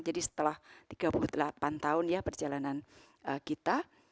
jadi setelah tiga puluh delapan tahun ya perjalanan kita